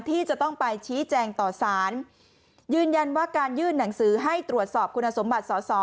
ที่จะต้องไปชี้แจงต่อสารยืนยันว่าการยื่นหนังสือให้ตรวจสอบคุณสมบัติสอสอ